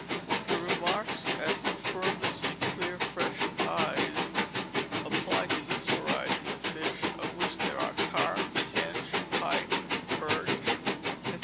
The remarks as to firmness and clear fresh eyes apply to this variety of fish, of which there are carp, tench, pike, perch, &c.